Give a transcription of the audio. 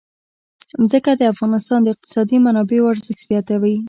ځمکه د افغانستان د اقتصادي منابعو ارزښت زیاتوي.